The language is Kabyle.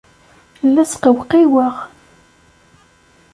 La sqewqiweɣ.